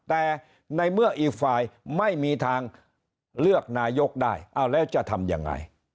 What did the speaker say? แต่ในเมื่ออีกฝ่ายไม่มีทางเลือกนายกได้เอาแล้วจะทำยังไง